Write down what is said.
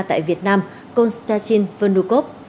tại việt nam konstantin vnukov